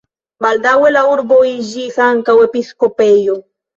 Baldaŭe la urbo iĝis ankaŭ episkopejo.